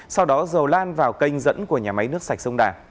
sau đó dầu lan vào kênh dẫn của nhà máy nước sạch sông đà